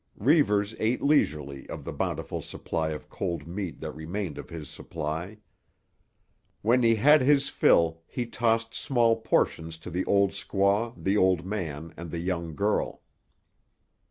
Reivers ate leisurely of the bountiful supply of cold meat that remained of his supply. When he had his fill he tossed small portions to the old squaw, the old man and the young girl.